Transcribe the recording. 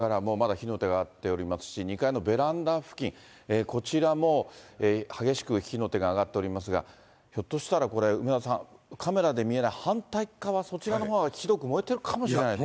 １階部分からもまだ火の手が上がっておりますし、２階のベランダ付近、こちらも激しく火の手が上がっておりますが、ひょっとしたらこれ、梅沢さん、カメラで見えない反対っ側、そちらのほうがひどく燃えているかもしれないですね。